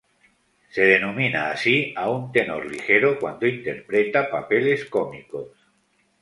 Se denomina así a un tenor ligero cuando interpreta papeles cómicos.